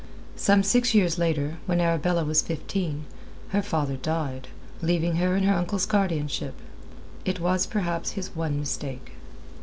Some six years later, when Arabella was fifteen, her father died, leaving her in her uncle's guardianship. It was perhaps his one mistake.